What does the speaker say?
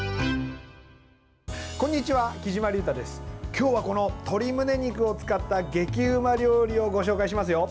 今日は鶏むね肉を使った激うま料理をご紹介しますよ。